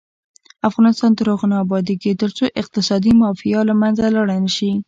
افغانستان تر هغو نه ابادیږي، ترڅو اقتصادي مافیا له منځه لاړه نشي.